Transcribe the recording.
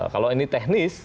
kalau ini teknis